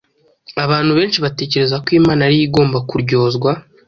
Abantu benshi batekereza ko Imana ari yo igomba kuryozwa